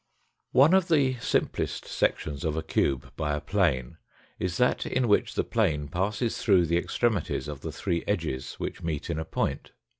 One of the simplest sections of a cube by a plane is that in which the plane passes through the extremities of the three edges which meet in a point.